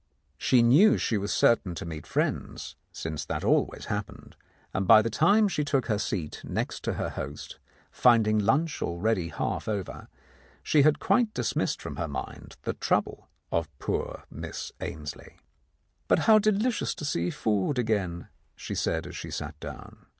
She knew she was certain to meet friends, since that always happened; and by the time she took her seat next her host, find ing lunch already half over, she had quite dismissed from her mind the trouble of poor Miss Ainslie. "But how delicious to see food again," she said as she sat down.